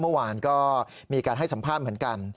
เมื่อวานก็มีการให้สัมภาษณ์เหมือนกัน